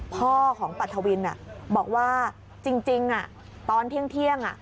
พ่อของปัทวินบอกว่าจริงตอนเที่ยง